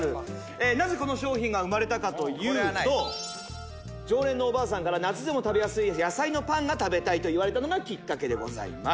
なぜこの商品が生まれたかというと常連のおばあさんから夏でも食べやすい野菜のパンが食べたいと言われたのがきっかけでございます